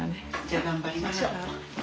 じゃあ頑張りましょう。